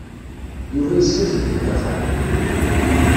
Yuba yessazdeg-d axxam.